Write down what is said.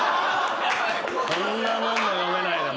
こんなもんも読めないで。